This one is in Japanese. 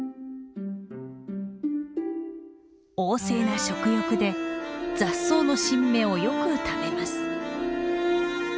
旺盛な食欲で雑草の新芽をよく食べます。